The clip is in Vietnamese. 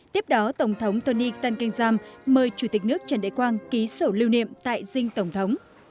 tiếp đó tổng thống tony tân canh giam mời chủ tịch nước trần đại quang ký sổ lưu niệm tại dinh tổng thống